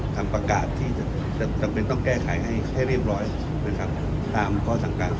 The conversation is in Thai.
คำประกาศที่จะจำเป็นต้องแก้ไขให้ให้เรียบร้อยนะครับตามข้อสั่งการ